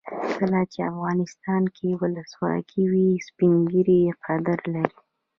کله چې افغانستان کې ولسواکي وي سپین ږیري قدر لري.